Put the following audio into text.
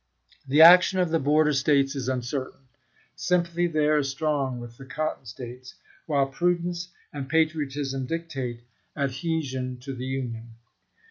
The action of the border States is uncertain. Sympathy there is strong with the Cotton States, while prudence and patriotism dictate adhesion to the Union.